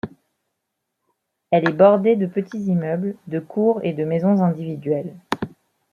Elle est bordée de petits immeubles, de cours et de maisons individuelles.